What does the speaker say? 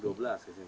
itu sudah unggul